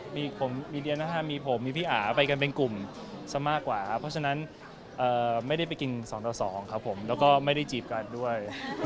มีผมมีเดียนะครับมีผมมีพี่อาไปกันเป็นกลุ่มซะมากกว่าครับเพราะฉะนั้นไม่ได้ไปกิน๒ต่อ๒ครับผมแล้วก็ไม่ได้จีบกันด้วย